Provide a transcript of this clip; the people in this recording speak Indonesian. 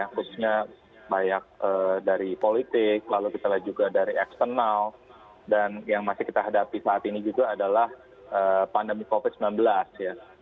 khususnya banyak dari politik lalu kita lihat juga dari eksternal dan yang masih kita hadapi saat ini juga adalah pandemi covid sembilan belas ya